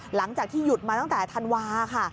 หลังจากที่หยุดมาตั้งแต่ธันวาค่ะ